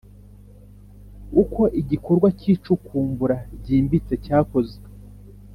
Uko igikorwa cy icukumbura ryimbitse cyakozwe